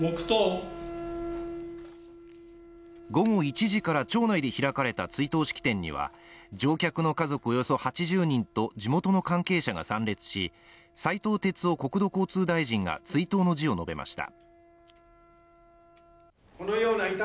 午後１時から町内で開かれた追悼式典には、乗客の家族およそ８０人と地元の関係者が参列し、斉藤鉄夫国土交通大臣が追悼の辞を述べました。